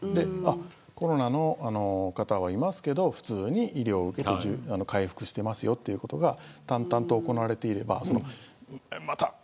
コロナの方はいますけど普通に医療を受けて回復してますよということが淡々と行われていれば。